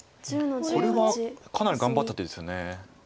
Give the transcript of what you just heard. これはかなり頑張った手です。